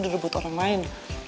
derbut orang lain